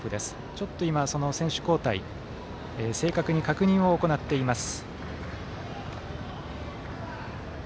ちょっと今、選手交代正確に確認を行っています。